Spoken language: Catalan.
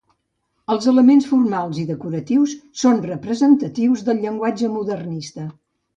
Els elements formals i decoratius són representatius del llenguatge modernista.